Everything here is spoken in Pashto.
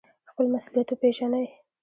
خپل مسوولیت وپیژنئ